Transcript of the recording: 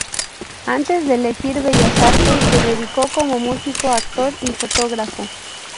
Antes de elegir bellas artes, se dedicó como músico, actor y fotógrafo.